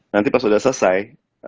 nanti pas udah selesai